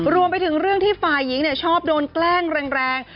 รวมไปถึงเรื่องที่ฝ่ายหญิงชอบโดนแกล้งแรง